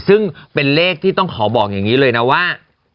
ซึ่งเป็นเลขที่ต้องขอบอกอย่างนี้เลยนะว่า